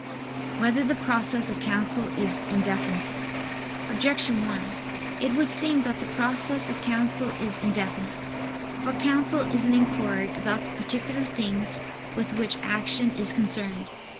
6] Whether the Process of Counsel Is Indefinite? Objection 1: It would seem that the process of counsel is indefinite. For counsel is an inquiry about the particular things with which action is concerned.